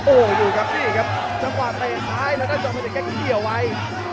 โอ้โหอยู่ครับนี่ครับจังหวัดไปซ้ายแล้วนะจอมพะเดชน์แก๊กเกี่ยวไว้